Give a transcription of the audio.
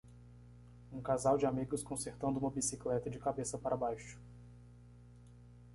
Um casal de amigos consertando uma bicicleta de cabeça para baixo.